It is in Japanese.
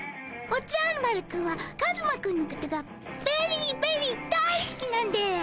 おじゃる丸くんはカズマくんのことがベリーベリー大好きなんです！